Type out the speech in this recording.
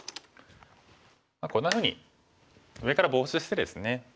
こんなふうに上からボウシしてですね。